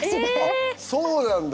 あっそうなんだ。